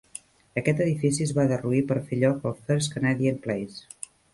Aquest edifici es va derruir per fer lloc al First Canadian Place.